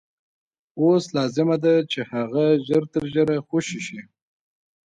اوس لازمه ده چې هغه ژر تر ژره خوشي شي.